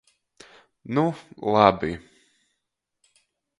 Nu, labi!